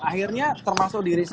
akhirnya termasuk di indonesia